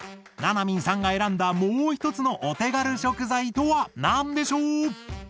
ななみんさんが選んだもう一つのお手軽食材とは何でしょう？